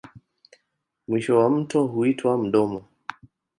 Mwisho wa mto huitwa mdomo.